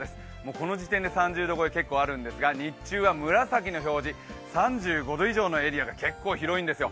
この時点で３０度超え結構あるんですが日中は紫の表示、３５度以上のエリアが結構広いんですよ。